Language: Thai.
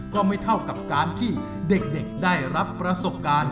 ก็ไม่เท่ากับการที่เด็กได้รับประสบการณ์